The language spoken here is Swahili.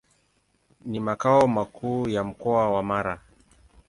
Ni makao makuu ya Mkoa wa Mara.